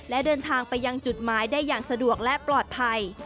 และเดินทางไปยังจุดหมายได้อย่างสะดวกและปลอดภัย